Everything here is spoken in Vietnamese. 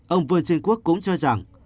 ông vương trinh quốc cũng cho rằng